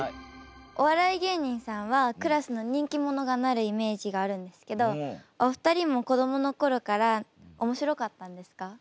お笑い芸人さんはクラスの人気者がなるイメージがあるんですけどお二人も子どもの頃から面白かったんですか？